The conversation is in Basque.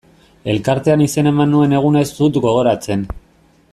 Elkartean izena eman nuen eguna ez dut gogoratzen.